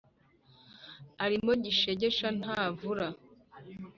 ”arimo gishegesha ntavura